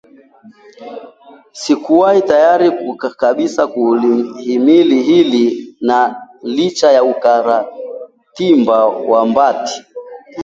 sikuwa tayari kabisa kulihimili hili na licha ya ukakatima wa Mbati,